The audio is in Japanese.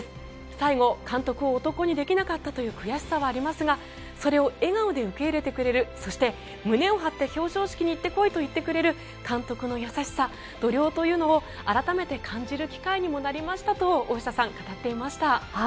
最後、監督を男にできなかったという悔しさはありますがそれを笑顔で受け入れてくれるそして、胸を張って表彰式に行ってこいと言ってくれる監督の優しさ、度量というのを改めて感じる機会にもなりましたと語っていました。